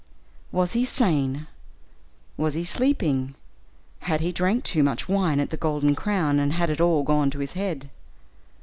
Was he sane was he sleeping? Had he drank too much wine at the Golden Crown, and had it all gone to his head?